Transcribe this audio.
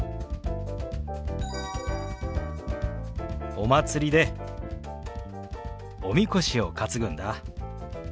お祭りでおみこしを担ぐんだ。